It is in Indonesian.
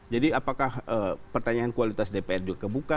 jadi apakah pertanyaan kualitas dpr juga kebuka